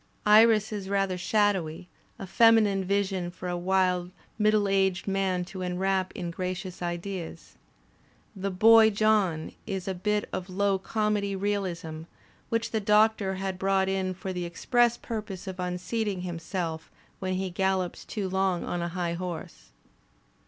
Iris is rather shadowy, a feminine vision for a wise middle aged man to enwrap in gracious ideas. The "boy John" is a bit of low comedy realism, which the Doctor has brought in for the express purpose of unseating himself when he gallops too long on a high horse.